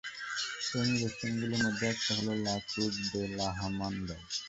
সেই নিদর্শনগুলোর মধ্যে একটা হলো লা ক্রুজ দে লা হার্মানদাদ।